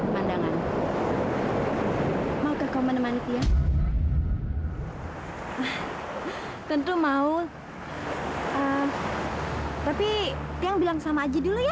kepadangan mau ke komentar ya tentu mau tapi yang bilang sama aja dulu ya